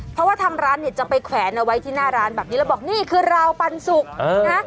เพราะว่าทางร้านเนี่ยจะไปแขวนเอาไว้ที่หน้าร้านแบบนี้แล้วบอกนี่คือราวปันสุกนะ